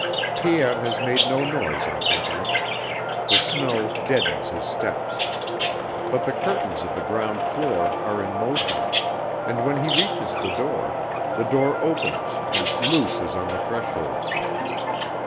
Pierre has made no noise on entering; the snow deadens his steps. But the curtains of the ground floor are in motion; and when he reaches the door, the door opens and Luce is on the threshold.